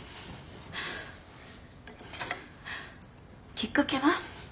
きっかけは？